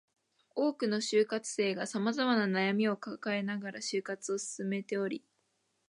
多くの就活生が様々な悩みを抱えながら就活を進めており